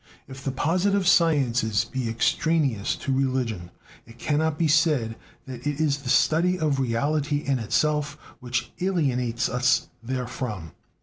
If the positive sciences be extraneous to religion, it cannot be said that it is the study of reality in itself which alienates us therefrom.